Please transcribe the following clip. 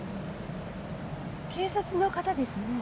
警察の方ですね。